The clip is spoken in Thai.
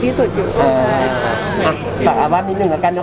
แต่จริงแล้วเขาก็ไม่ได้กลิ่นกันว่าถ้าเราจะมีเพลงไทยก็ได้